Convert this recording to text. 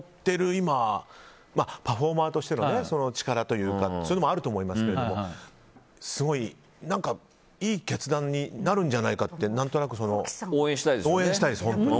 今パフォーマーとしての力というかそういうのもあると思いますけどすごい、いい決断になるんじゃないかって何となく応援したいです、本当に。